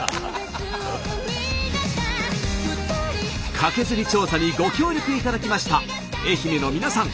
カケズリ調査にご協力いただきました愛媛の皆さん